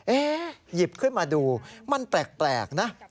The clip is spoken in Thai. หยิบขึ้นมาดูมันแปลกนะ